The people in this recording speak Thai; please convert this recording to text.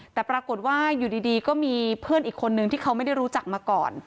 แต่ปรากฏว่าอยู่ดีก็มีเพื่อนอีกคนนึงที่เขาไม่ได้รู้จักมาก่อน